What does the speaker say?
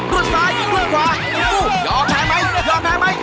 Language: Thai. รุ่นซ้ายขึ้นขวายอแพ้ไหมยอแพ้ไหม